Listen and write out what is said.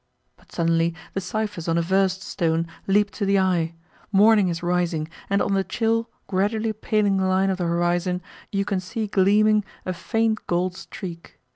But suddenly the ciphers on a verst stone leap to the eye! Morning is rising, and on the chill, gradually paling line of the horizon you can see gleaming a faint gold streak.